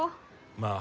まあ